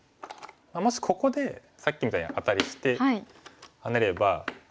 もしここでさっきみたいにアタリしてハネれば。